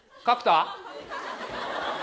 角田？